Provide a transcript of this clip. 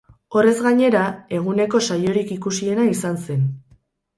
Horrez gainera, eguneko saiorik ikusiena izan zen.